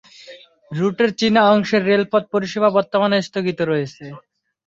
রুটের চীনা অংশের রেলপথ পরিষেবা বর্তমানে স্থগিত রয়েছে।